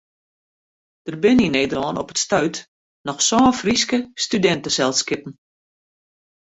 Der binne yn Nederlân op it stuit noch sân Fryske studinteselskippen.